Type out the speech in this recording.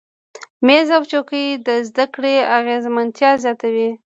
میز او چوکۍ د زده کړې اغیزمنتیا زیاتوي.